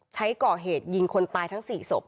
ใช้ก่อเหตุยิงคนตายทั้ง๔ศพ